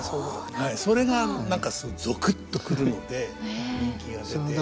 それが何かすごくゾクッと来るので人気が出て。